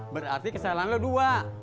berarti kesalahan lu dua